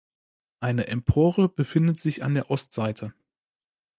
Eine Empore befindet sich an der Ostseite.